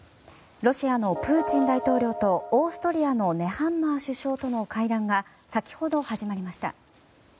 ロシアのプーチン大統領とオーストリアのネハンマー首相との会談が先ほど始まりました。